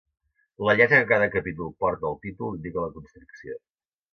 La lletra que cada capítol porta al títol indica la constricció.